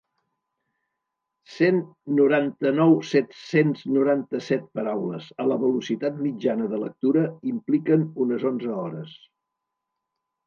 Cent noranta-nou.set-cents noranta-set paraules, a la velocitat mitjana de lectura, impliquen unes onze hores.